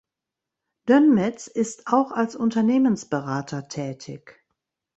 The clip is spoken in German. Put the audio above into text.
Dönmez ist auch als Unternehmensberater tätig.